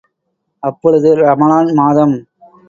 அப்பொழுது ரமலான் மாதம்.